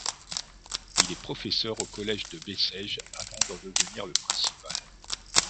Il est professeur au collège de Bessèges, avant d'en devenir le principal.